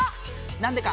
なんでか。